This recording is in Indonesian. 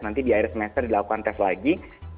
nanti di akhir semester dilakukan tes lagi